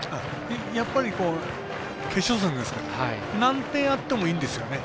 やっぱり決勝戦ですから何点あってもいいんですよね。